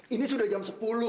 ini sudah jam sepuluh